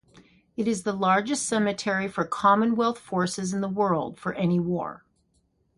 It is the largest cemetery for Commonwealth forces in the world, for any war.